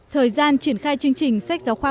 thời gian triển khai chương trình sách giáo khoa